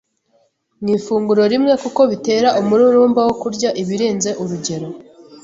mu ifunguro rimwe kuko bitera umururumba wo kurya ibirenze urugero,